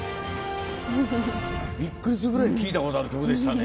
びっくりするぐらい聞いたことある曲でしたね。